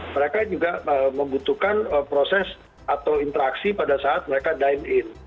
mereka juga membutuhkan proses atau interaksi pada saat mereka dine in